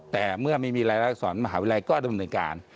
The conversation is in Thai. แต่เมื่อไม่มีรายละอักษรมหาวิทยาลัยก็ดำเนินการ